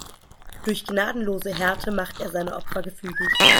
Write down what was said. Durch gnadenlose Härte macht er seine Opfer gefügig.